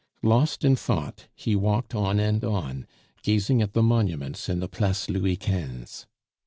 Lost in thought, he walked on and on, gazing at the monuments in the Place Louis Quinze.